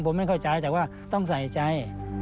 ผมไม่เข้าใจแต่ว่าต้องใส่ใจ